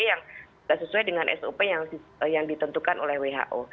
iue yang sesuai dengan sop yang ditentukan oleh who